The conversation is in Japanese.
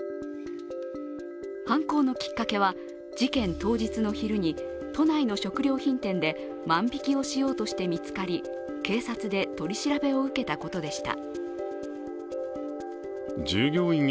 犯行のきっかけは、事件当日の昼に都内の食料品店で万引きをしようとして見つかり警察で取り調べを受けたことでした。